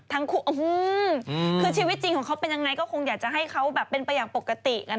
ทั้งคู่อื้อหือคือชีวิตจริงของเขาเป็นยังไงก็คงอยากจะให้เขาแบบเป็นประหยังปกติอะนะคะ